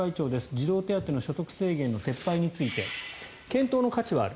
児童手当の所得制限の撤廃について検討の価値はある。